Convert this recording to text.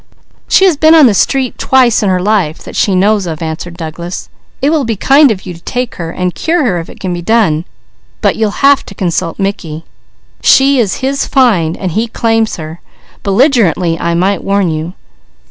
"She has been on the street twice in her life that she knows of," answered Douglas. "It will be kind of you to take her, and cure her if it can be done, but you'll have to consult Mickey. She is his find, so he claims her, belligerently, I might warn you!"